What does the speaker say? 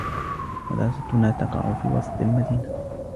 مدرستنا تقع في وسط المدينة.